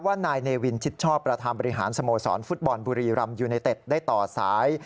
นายเนวินชิดชอบประธานบริหารสโมสรฟุตบอลบุรีรำยูไนเต็ดได้ต่อสาย